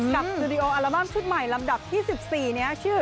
สตูดิโออัลบั้มชุดใหม่ลำดับที่๑๔นี้ชื่อ